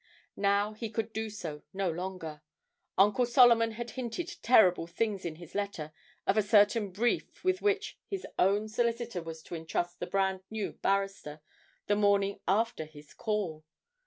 Now he could do so no longer. Uncle Solomon had hinted terrible things in his letter of a certain brief with which his own solicitor was to entrust the brand new barrister the morning after his call!